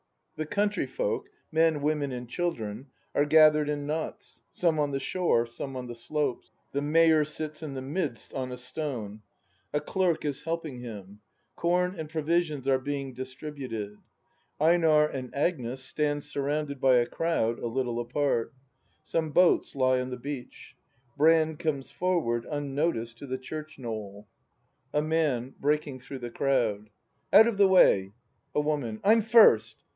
The country folk, — men, women, and children, — are gath ered in knots, some on the shore, some on the slopes. The Mayor sits in the midst, on a stone; a Clerk is helping him; corn and provisions are being dis tributed. EiNAR and Agnes stand surrounded by a crowd, a little apart. Some boats lie on the beach. Brand comes foricard, unnoticed, to the church knoll. A Man. [Breaking through the crowd.] Out of the way ! A Woman. I'm first!